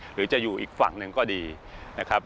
หรือจะอยู่อีกฝั่งหนึ่งก็ดีนะครับ